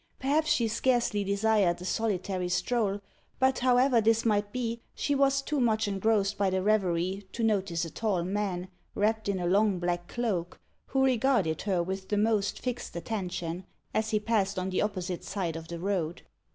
Perhaps she scarcely desired a solitary stroll; but however this might be, she was too much engrossed by the reverie to notice a tall man, wrapped in a long black cloak, who regarded her with the most fixed attention, as he passed on the opposite side of the road.